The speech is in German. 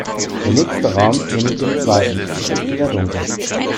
Der nächste Raum ähnelt dem zweiten: Es ist wieder dunkel.